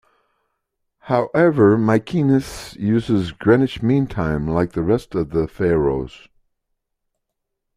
However, Mykines uses Greenwich Mean Time like the rest of the Faroes.